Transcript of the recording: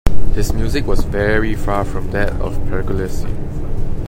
His music was very far from that of Pergolesi.